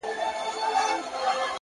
• په وهلو یې ورمات کړله هډونه,